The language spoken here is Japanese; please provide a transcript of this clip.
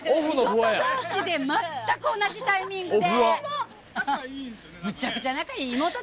仕事同士で全く同じタイミングで。